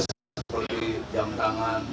seperti jam tangan